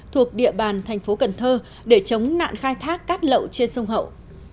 thuộc địa bàn tp cn để chống nạn khai thác cát lậu trên sông hậu